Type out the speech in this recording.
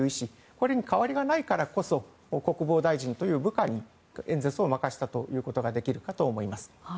これに変わりがないからこそ国防大臣という部下に演説を任せたということができるかと思います。